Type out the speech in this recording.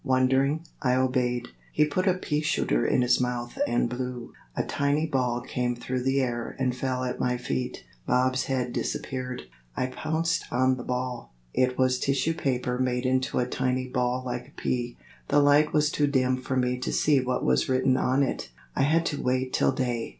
Wondering, I obeyed. He put a peashooter to his mouth and blew. A tiny ball came through the air and fell at my feet. Bob's head disappeared. I pounced on the ball. It was tissue paper made into a tiny ball like a pea. The light was too dim for me to see what was written on it; I had to wait till day.